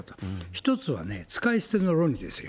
一つはね、使い捨ての論理ですよ。